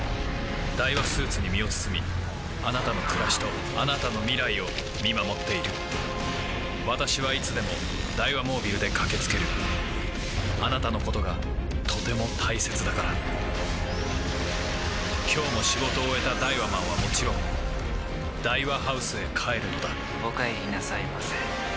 ダイワスーツに身を包みあなたの暮らしとあなたの未来を見守っている私はいつでもダイワモービルで駆け付けるあなたのことがとても大切だから今日も仕事を終えたダイワマンはもちろんダイワハウスへ帰るのだお帰りなさいませ。